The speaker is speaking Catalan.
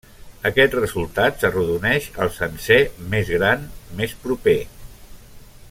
Aquest resultat s'arrodoneix al sencer més gran més proper.